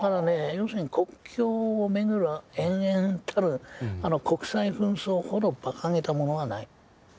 要するに国境を巡る延々たる国際紛争ほどばかげたものはない。